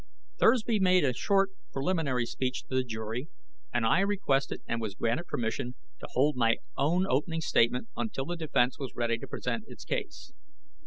Thursby made a short preliminary speech to the jury, and I requested and was granted permission to hold my own opening statement until the defense was ready to present its case.